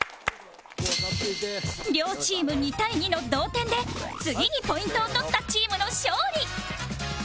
両チーム２対２の同点で次にポイントを取ったチームの勝利